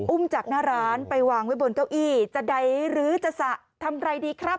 จากหน้าร้านไปวางไว้บนเก้าอี้จะใดหรือจะสระทำอะไรดีครับ